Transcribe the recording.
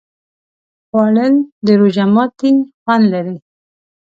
خوړل د روژه ماتي خوند لري